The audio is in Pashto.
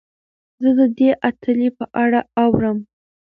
زه د دې اتلې په اړه اورم.